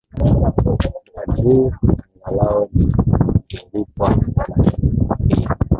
ni at least angalao ningelipwa hata laki mbili